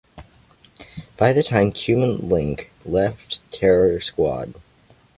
By that time, Cuban Link left Terror Squad.